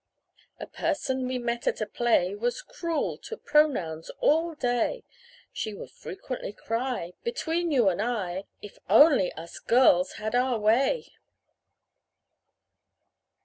A person we met at a play Was cruel to pronouns all day: She would frequently cry "Between you and I, If only us girls had our way